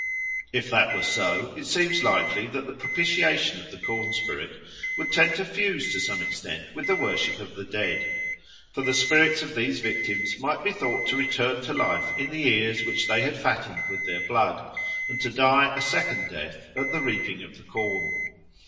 If that was so, it seems likely that the propitiation of the corn spirit would tend to fuse to some extent with the worship of the dead. For the spirits of these victims might be thought to return to life in the ears which they had fattened with their blood, and to die a second death at the reaping of the corn.